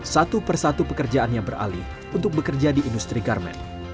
satu persatu pekerjaan yang beralih untuk bekerja di industri garment